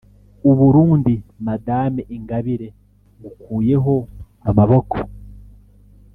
u Burundi Madame Ingabire ngukuyeho amaboko